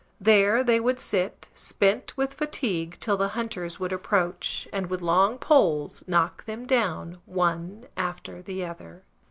There they would sit, spent with fatigue, till the hunters would approach, and, with long poles, knock them down one after the other.